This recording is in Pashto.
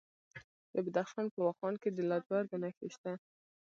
د بدخشان په واخان کې د لاجوردو نښې شته.